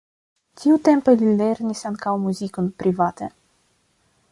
Tiutempe li lernis ankaŭ muzikon private.